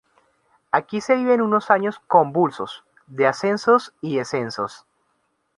Aquí se viven unos años convulsos, de ascensos y descensos.